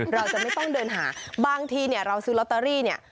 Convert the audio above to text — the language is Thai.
เราจะไม่ต้องเดินหาบางทีเนี่ยเราซื้อลอตเตอรี่เนี่ย